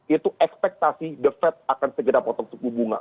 itu ekspektasi the fed akan segera potong suku bunga